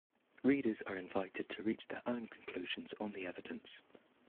Readers are invited to reach their own conclusions on the evidence.